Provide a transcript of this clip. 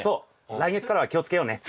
来月からは気をつけようね。